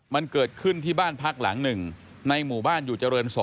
มันเกิดขึ้นที่บ้านพักหลังหนึ่งในหมู่บ้านอยู่เจริญ๒